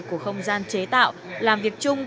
của không gian chế tạo làm việc chung